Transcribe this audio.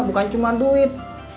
bukan cuman duit